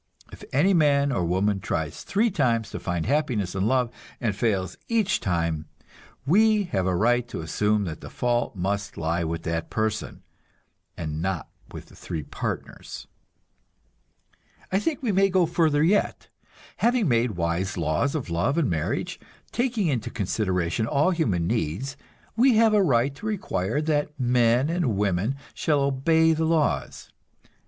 If any man or woman tries three times to find happiness in love, and fails each time, we have a right to assume that the fault must lie with that person, and not with the three partners. I think we may go further yet; having made wise laws of love and marriage, taking into consideration all human needs, we have a right to require that men and women shall obey the laws.